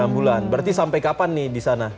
enam bulan berarti sampai kapan nih di sana